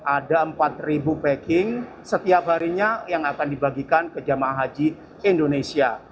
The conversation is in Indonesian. ada empat packing setiap harinya yang akan dibagikan ke jemaah haji indonesia